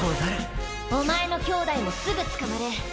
お前の兄弟もすぐ捕まる。